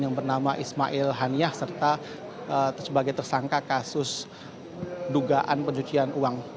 yang bernama ismail haniah serta sebagai tersangka kasus dugaan pencucian uang